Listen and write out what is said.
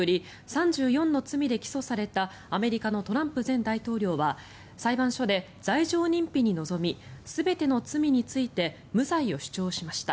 ３４の罪で起訴されたアメリカのトランプ前大統領は裁判所で罪状認否に臨み全ての罪について無罪を主張しました。